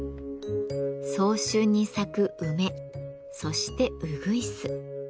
早春に咲く梅そしてうぐいす。